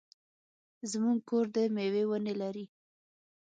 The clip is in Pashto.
زمونږ کور د مېوې ونې لري.